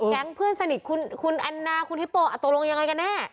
เพื่อนสนิทคุณแอนนาคุณฮิปโปตกลงยังไงกันแน่